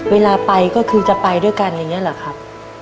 เวลาไปก็คือจะไปด้วยกันอย่างนี้เหรอครับ